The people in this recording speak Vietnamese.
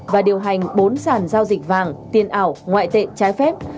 và điều hành bốn sản giao dịch vàng tiền ảo ngoại tệ trái phép